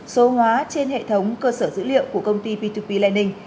số hóa trên hệ thống cơ sở dữ liệu của công ty p hai p lending